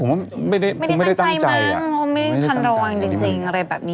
ผมไม่ได้ทันระวังจริงอะไรแบบนี้